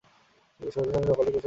সাধুচরণ সকলের কুশল জানাইল।